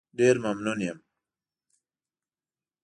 ډېر ممنون یم.